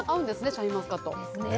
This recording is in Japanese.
シャインマスカットですね